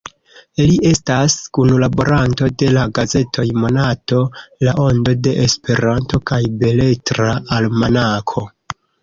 Li estas kunlaboranto de la gazetoj Monato, La Ondo de Esperanto kaj Beletra Almanako.